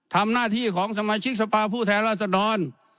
ทำหน้าที่ของสมาชิกสภาพผู้แทนราชดร